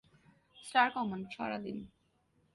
Star command, সাড়া দিন।